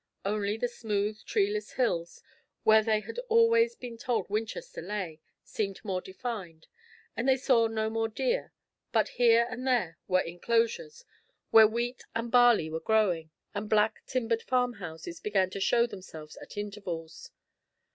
Only the smooth, treeless hills, where they had always been told Winchester lay, seemed more defined; and they saw no more deer, but here and there were inclosures where wheat and barley were growing, and black timbered farm houses began to show themselves at intervals.